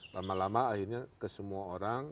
lama lama akhirnya ke semua orang